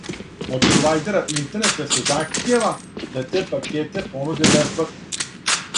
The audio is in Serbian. Од провајдера интернета се захтијева да те пакете понуде бесплатно.